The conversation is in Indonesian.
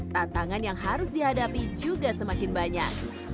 tantangan yang harus dihadapi juga semakin banyak